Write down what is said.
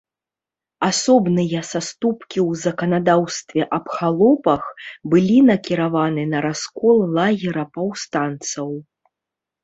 Асобныя саступкі ў заканадаўстве аб халопах былі накіраваны на раскол лагера паўстанцаў.